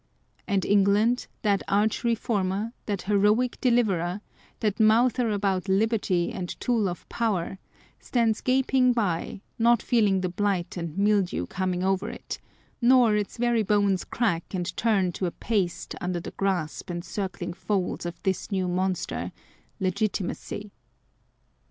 And England, that arch reformer, that heroic deliverer, that mouther about liberty and tool of power, stands gaping by, not feeling the blight and mildew coming over it, nor its very bones crack and turn to a paste under the grasp and circling folds of this new monster â€" Legitimacy